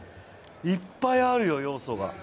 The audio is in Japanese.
いっぱいあるよ、要素が。